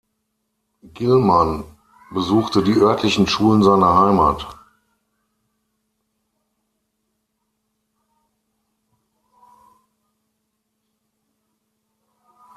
Gilman besuchte die örtlichen Schulen seiner Heimat.